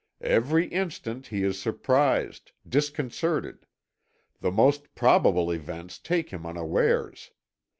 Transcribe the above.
Every instant he is surprised, disconcerted; the most probable events take him unawares.